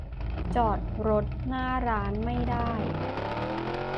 จอดรถหน้าร้านไม่ได้